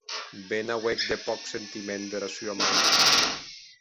Be n’auec de pòc sentiment dera sua mair!